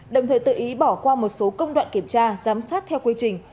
đồng thời tự ý bỏ qua một số công đoạn kiểm tra giám sát theo quy trình